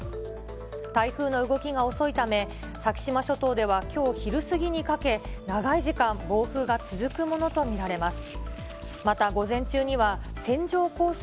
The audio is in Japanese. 台風の動きが遅いため、先島諸島では、きょう昼過ぎにかけ、長い時間、暴風が続くものと見られます。